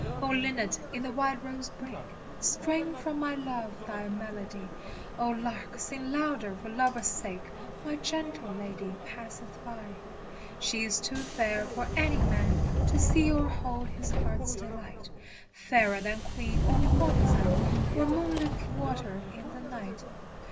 O Linnet in the wild rose brake Strain for my Love thy melody, O Lark sing louder for love's sake, My gentle Lady passeth by. ' She is too fair for any man ' To see or hold his heart's delight, lFairer than Queen or courtezan | Or moonlit water in the night.